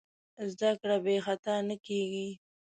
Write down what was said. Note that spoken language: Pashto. زدهکړه بېخطا نه کېږي.